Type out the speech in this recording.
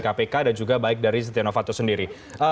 kpk dan juga baik dari setia novanto sendiri